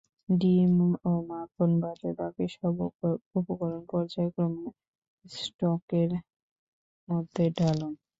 ডিম ও মাখন বাদে বাকি সব উপকরণ পর্যায়ক্রমে স্টকের মধ্যে ঢালুন।